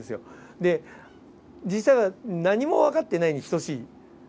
で実際は何も分かっていないに等しい。